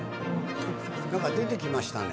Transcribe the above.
何か出て来ましたね。